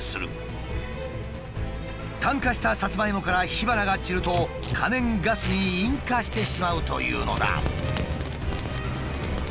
炭化したサツマイモから火花が散ると可燃ガスに引火してしまうというのだ。